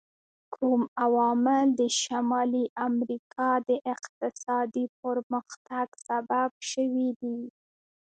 کوم عوامل د شمالي امریکا د اقتصادي پرمختګ سبب شوي دي؟